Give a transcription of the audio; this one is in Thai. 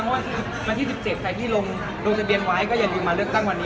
วันที่๑๗ใครที่ลงทะเบียนไว้ก็อย่าลืมมาเลือกตั้งวันนี้